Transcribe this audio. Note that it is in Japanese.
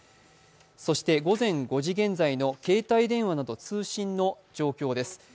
そして、午前５時現在の携帯電話など通信の情報です。